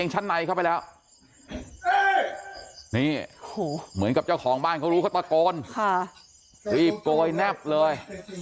เหมือนกับเจ้าของบ้านเขารู้เขาตะโกนรีบโกยแนบเลย